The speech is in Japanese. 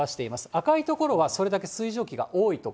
赤い所はそれだけ水蒸気が多い所。